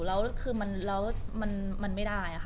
แล้วคือมันไม่ได้